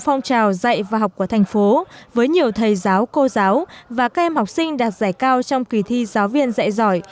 phong trào dạy và học của thành phố với nhiều thầy giáo cô giáo và các em học sinh đạt giải